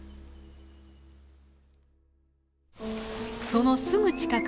そのすぐ近く。